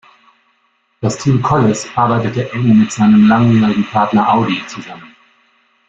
Das Team Kolles arbeitete eng mit seinem langjährigen Partner Audi zusammen.